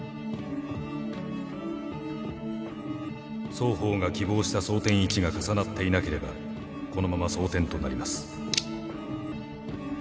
双方が希望した装てん位置が重なっていなければこのまま装てんとなります。